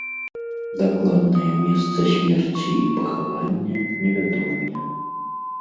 Дакладнае месца смерці і пахавання невядомыя.